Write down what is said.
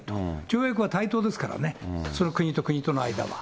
条約は対等ですからね、その国と国との間は。